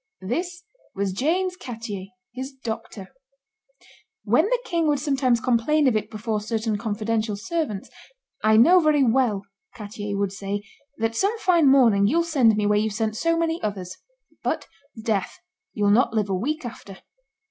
This was James Cattier, his doctor. When the king would sometimes complain of it before certain confidential servants, 'I know very well,' Cattier would say, that some fine morning you'll send me where you've sent so many others; but, 'sdeath, you'll not live a week after!